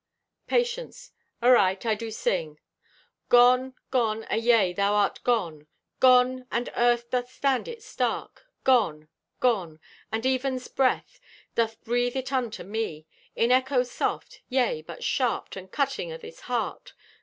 Patience.—"Aright. I do sing. Gone! Gone! Ayea, thou art gone! Gone, and earth doth stand it stark. Gone! Gone! The even's breath Doth breathe it unto me In echo soft; yea, but sharped, And cutting o' this heart.